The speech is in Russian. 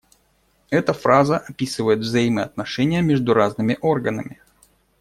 Эта фраза описывает взаимоотношения между разными органами.